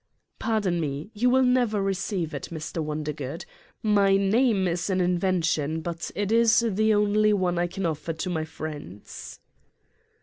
"Pardon me, you will never receive it, Mr. Won dergood. My name is an invention but it is the only one I can offer to my friends.